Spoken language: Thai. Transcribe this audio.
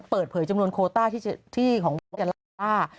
เปิดเผยจำนวนโคต้าที่ของเว็บไซต์การล่าวาน